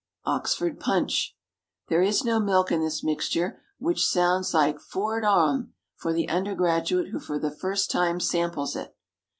Oxford Punch. There is no milk in this mixture, which sounds like "for'ard on!" for the undergraduate who for the first time samples it.